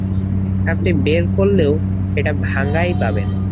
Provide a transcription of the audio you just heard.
আপনি বের করলেও এটা ভাঙ্গাই পাবেন।